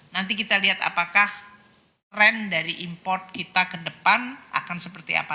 nanti kita lihat apakah tren dari import kita ke depan akan seperti apa